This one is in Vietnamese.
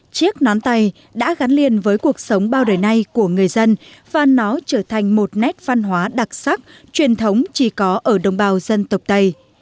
chiếc nón tay đã gắn liền với cuộc sống bao đời nay của người dân và nó trở thành một nét văn hóa đặc sắc truyền thống chỉ có ở đồng bào dân tộc tây